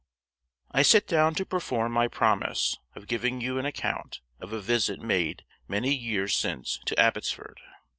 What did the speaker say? I sit down to perform my promise of giving you an account of a visit made many years since to Abbotsford.